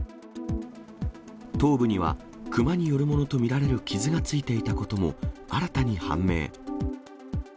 頭部には、クマによるものと見られる傷がついていたことも、新たに判明。